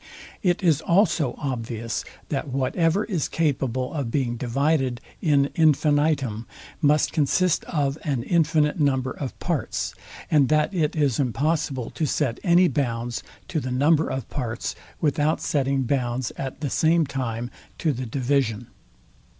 It is also obvious, that whatever is capable of being divided in infinitum, must consist of an infinite number of parts, and that it is impossible to set any bounds to the number of parts, without setting bounds at the same time to the division.